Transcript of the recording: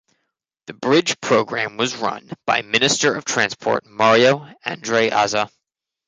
The bridge program was run by Minister of Transport Mario Andreazza.